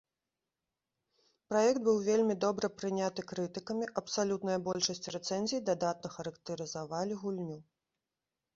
Праект быў вельмі добра прыняты крытыкамі, абсалютная большасць рэцэнзій дадатна характарызавалі гульню.